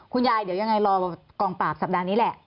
ยังไงเดี๋ยวยังไงรอกองปราบสัปดาห์นี้แหละ